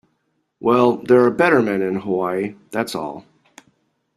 Well, there are better men in Hawaii, that's all.